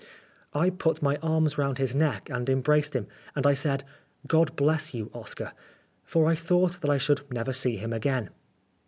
I put my arms round his neck and embraced him, and I said, " God bless you, Oscar," for I thought that I should never see him again.